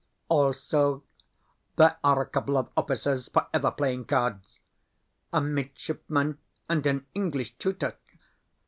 Also, there are a couple of officers (for ever playing cards), a midshipman, and an English tutor.